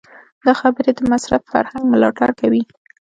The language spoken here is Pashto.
دا خبرې د مصرف فرهنګ ملاتړ کوي.